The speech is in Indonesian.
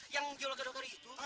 yang jual gado gado itu